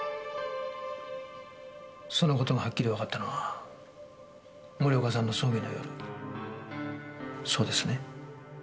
その事がはっきりわかったのは森岡さんの葬儀の夜そうですね？